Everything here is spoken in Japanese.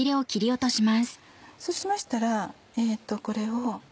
そうしましたらこれを。